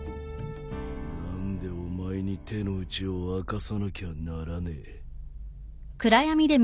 何でお前に手の内を明かさなきゃならねえ。